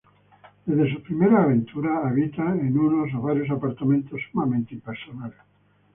Desde sus primeras aventuras, habita en uno o varios apartamentos sumamente impersonales.